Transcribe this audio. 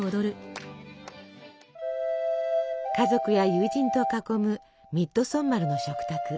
家族や友人と囲むミッドソンマルの食卓。